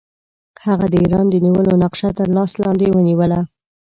هغه د ایران د نیولو نقشه تر لاس لاندې ونیوله.